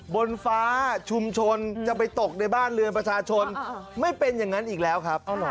บนฟ้าชุมชนจะไปตกในบ้านเรือนประชาชนไม่เป็นอย่างนั้นอีกแล้วครับ